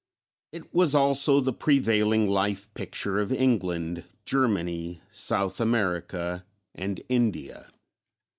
It was also the prevailing life picture of England, Germany, South America, and India.